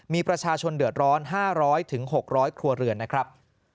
มีประชาชนเดือดร้อน๕๐๐๖๐๐ครัวเรือนนะครับ